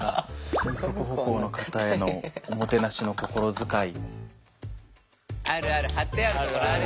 「二足歩行の方へのおもてなしの心遣い」。